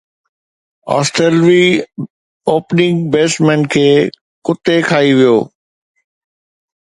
آسٽريلوي opening batsman کي ڪتي کائي ويو